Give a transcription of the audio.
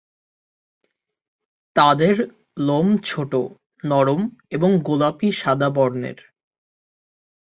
তাদের লোম ছোট, নরম এবং গোলাপী-সাদা বর্ণের।